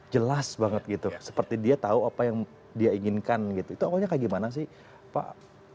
jelas banget gitu seperti dia tahu apa yang dia inginkan gitu itu awalnya kayak gimana sih pak